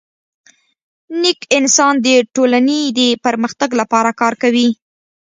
نیک انسان د ټولني د پرمختګ لپاره کار کوي.